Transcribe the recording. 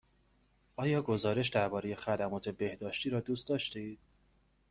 آیا گزارش درباره خدمات بهداشتی را دوست داشتید؟